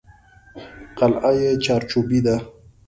قلعه یې چارچوبي ده.